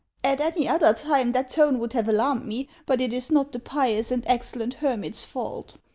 At any other time that tone would have alarmed me ; but it is not the pious and excellent hermit's fault.